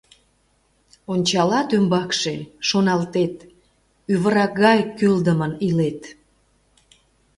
Ончалат ӱмбакше, шоналтет: ӱвыра гай кӱлдымын илет.